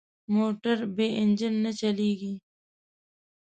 موټر بې انجن نه چلېږي.